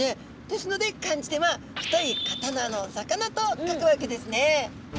ですので漢字では太い刀の魚と書くわけですね。